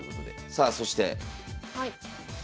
さあそしてドン。